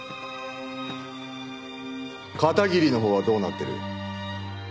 片桐のほうはどうなってる？